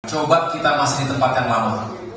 coba kita masih di tempat yang lama